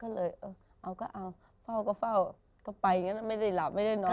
ก็เลยเอาเฝาก็เฝาก็ไปอย่างนี้ไม่ได้หลับไม่ได้นอน